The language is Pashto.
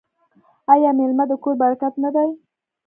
آیا میلمه د کور برکت نه دی؟